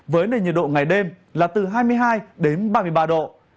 với nền nhiệt độ ngày đêm là từ hai mươi hai đến ba mươi ba độ